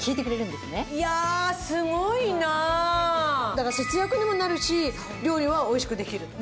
だから節約にもなるし料理はおいしくできると。